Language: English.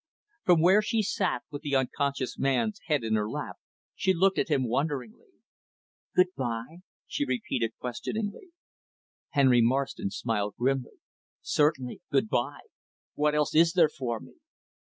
From where she sat with the unconscious man's head in her lap, she looked at him, wonderingly. "Good by?" she repeated questioningly. Henry Marston smiled grimly. "Certainly, good by What else is there for me?"